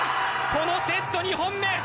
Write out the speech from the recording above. このセット２本目！